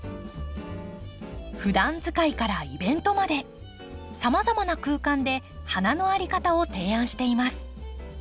ふだん使いからイベントまでさまざまな空間で花の在り方を提案しています。